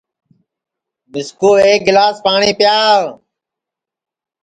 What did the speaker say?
مِسکُو ایک گِلاس پاٹؔی پیاو